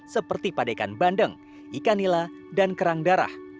seperti pada ikan bandeng ikan nila dan kerang darah